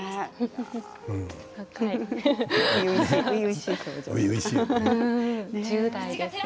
初々しい表情ですね。